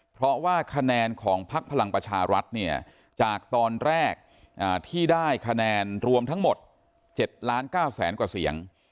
เพราะว่าคะแนนของพักพลังประชารัฐเนี่ยจากตอนแรกที่ได้คะแนนรวมทั้งหมด๗ล้าน๙แสนกว่าเสียง